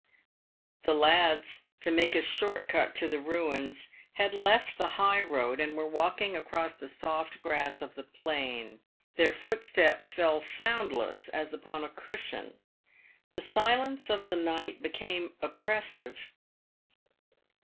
The lads, to make a short cut to the ruins, had left the high road, and were walking across the soft grass of the plain. Their foot steps fell soundless, as upon a cushion. The silence of the night became oppressive.